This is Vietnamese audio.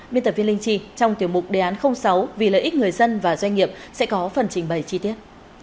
biên tập viên linh chi trong tiểu mục đề án sáu vì lợi ích người dân và doanh nghiệp sẽ có phần trình bày chi tiết